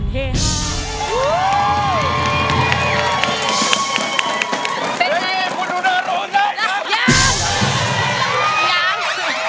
เป็นไงครับ